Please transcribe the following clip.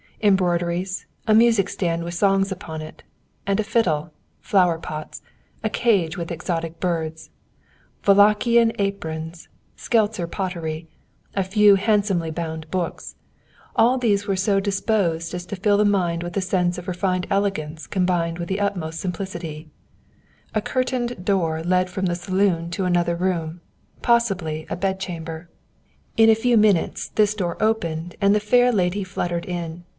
Embroideries, a music stand with songs upon it, and a fiddle, flower pots, a cage with exotic birds, Wallachian Katrinczas, Szekler pottery, a few handsomely bound books all these were so disposed as to fill the mind with a sense of refined elegance combined with the utmost simplicity. [Footnote 107: Aprons.] A curtained door led from the saloon into another room possibly a bed chamber. In a few minutes this door opened and the fair lady fluttered in.